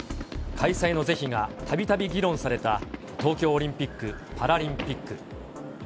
開催の是非がたびたび議論された、東京オリンピック・パラリンピック。